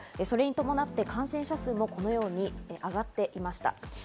それに伴って感染者数もこのように上がっていました。